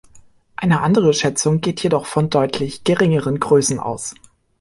Eine andere Schätzung geht jedoch von deutlich geringeren Größen aus.